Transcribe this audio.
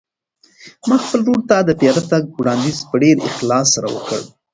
ما خپل ورور ته د پیاده تګ وړاندیز په ډېر اخلاص سره وکړ.